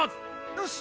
よし！